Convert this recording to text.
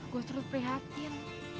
gua terus prihatin